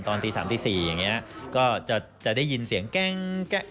ตอนตี๓ตี๔อย่างนี้ก็จะได้ยินเสียงแก๊